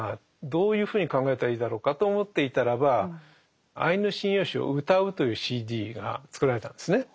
どういうふうに考えたらいいだろうかと思っていたらば「『アイヌ神謡集』をうたう」というＣＤが作られたんですね。